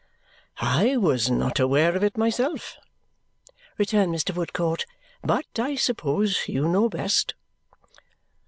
"I was not aware of it myself," returned Mr. Woodcourt; "but I suppose you know best."